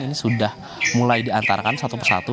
ini sudah mulai diantarkan satu persatu